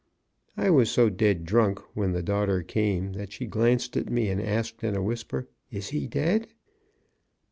I was so dead drunk when the daughter came that she glanced at me and asked in a whisper, "Is he dead?"